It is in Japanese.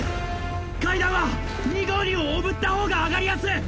階段は２５２をおぶった方が上がりやすい。